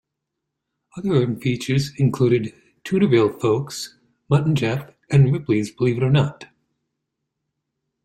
Other features included "Toonerville Folks", "Mutt and Jeff", and "Ripley's Believe It or Not!".